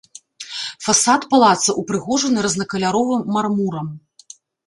Фасад палаца ўпрыгожаны рознакаляровым мармурам.